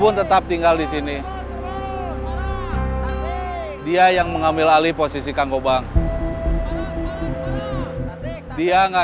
ledang ledang ledang